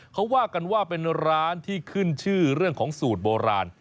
เขาว่ากันว่าเป็นร้านที่ขึ้นชื่อเรื่องของสูตรโบราณ